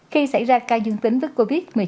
khi xảy ra ca dương tính với covid một mươi chín